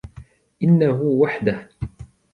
إنه وحده.